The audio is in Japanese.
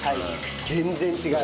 全然違う。